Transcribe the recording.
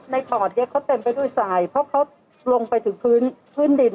ปอดนี้เขาเต็มไปด้วยสายเพราะเขาลงไปถึงพื้นดิน